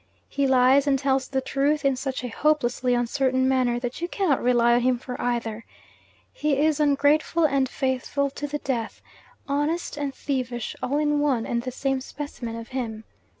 He lies and tells the truth in such a hopelessly uncertain manner that you cannot rely on him for either. He is ungrateful and faithful to the death, honest and thievish, all in one and the same specimen of him.